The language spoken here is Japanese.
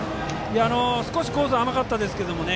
少しコース甘かったですけどね